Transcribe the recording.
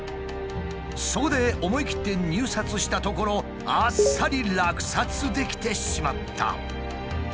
そこで思い切って入札したところあっさり落札できてしまった。